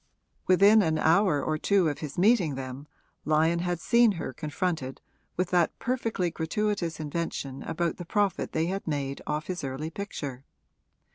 Within an hour or two of his meeting them Lyon had seen her confronted with that perfectly gratuitous invention about the profit they had made off his early picture.